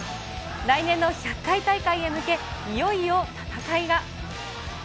来年の１００回大会へ向け、いよいよ戦いが。